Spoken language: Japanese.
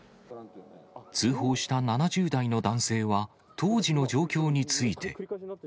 通報した７０代の男性は、当時の状況について。